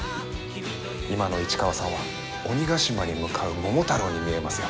今の市川さんは鬼ヶ島に向かう桃太郎に見えますよ。